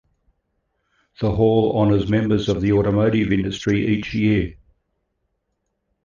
The Hall honors members of the automotive industry each year.